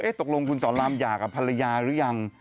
ตกลงคุณสอนรามหย่ากับภรรยาหรือยัง